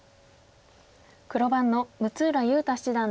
黒番の六浦雄太七段です。